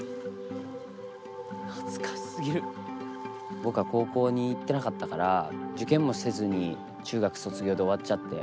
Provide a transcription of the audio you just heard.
僕は高校に行ってなかったから受験もせずに中学卒業で終わっちゃって。